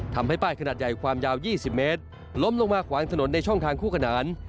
ทำให้ป้ายขนาดใหญ่ความยาว๒๐เมตรล้มลงมาขวางถนนในช่องทางคู่ขนาน